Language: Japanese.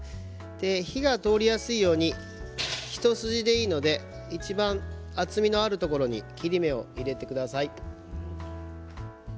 火が通りやすいように一筋でいいのでいちばん厚みのあるところに切り目を入れてください。